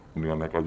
mendingan naik aja